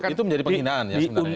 itu menjadi penghinaan